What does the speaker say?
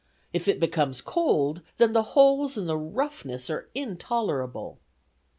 If it becomes cold, then the holes and the roughness are intolerable."